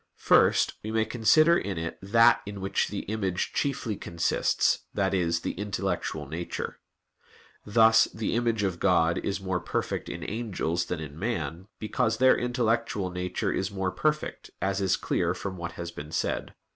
First, we may consider in it that in which the image chiefly consists, that is, the intellectual nature. Thus the image of God is more perfect in the angels than in man, because their intellectual nature is more perfect, as is clear from what has been said (Q.